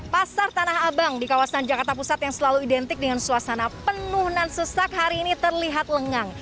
pasar tanah abang di kawasan jakarta pusat yang selalu identik dengan suasana penuh nan sesak hari ini terlihat lengang